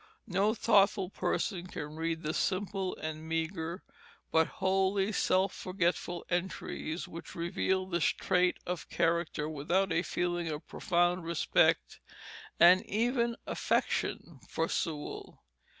No thoughtful person can read the simple and meagre, but wholly self forgetful entries which reveal this trait of character without a feeling of profound respect and even affection for Sewall.